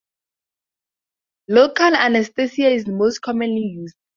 Local anesthesia is most commonly used.